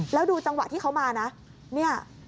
แล้วดูจังหวะที่เขามานะเนี่ย